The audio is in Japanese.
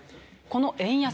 この円安